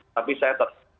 tapi saya tetap